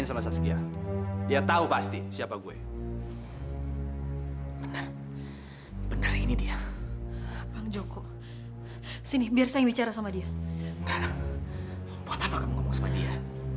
sampai jumpa di video selanjutnya